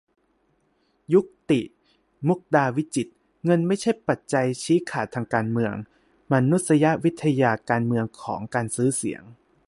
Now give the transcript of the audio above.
ยุกติ มุกดาวิจิตร : เงินไม่ใช่ปัจจัยชี้ขาดการเลือกตั้ง : มานุษยวิทยาการเมืองของ 'การซื้อเสียง'